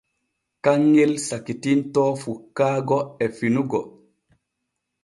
Kanŋel sakitintoo fukkaago e finugo.